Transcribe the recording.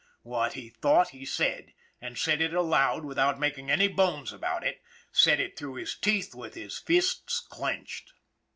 What he thought he said, and said it aloud without making any bones about it said it through his teeth, with his fists clenched.